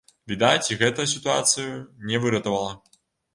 Відаць, і гэта сітуацыю не выратавала.